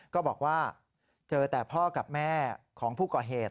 ก็บอกว่าเจอแต่พ่อกับแม่ของผู้ก่อเหตุ